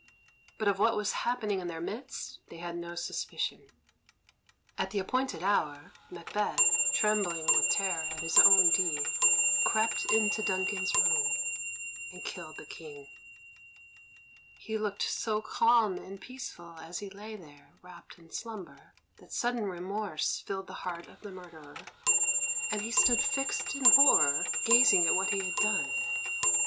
But of what was happening in their midst they had no suspicion. At the appointed hour, Macbeth, trembling with terror at his own deed, crept into Duncan's room, and killed the King. He looked so calm and peaceful as he lay there wrapt in slumber that sudden remorse filled the heart of the murderer, and he stood fixed in horror, gazing at what he had done.